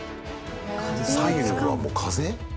左右は、もう風？